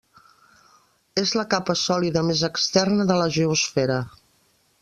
És la capa sòlida més externa de la geosfera.